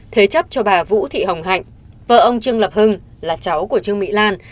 thế chấp cho bà vũ thị hồng hạnh vợ ông trương lập hưng là cháu của trương mỹ lan